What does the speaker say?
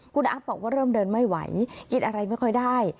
คุณอัพบอกว่าเริ่มเดินไม่ไหวกินอะไรไม่ค่อยได้